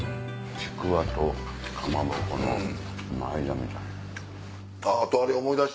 ちくわとかまぼこの間みたいな。